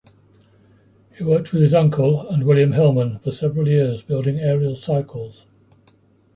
He worked with his uncle and William Hillman for several years building Ariel cycles.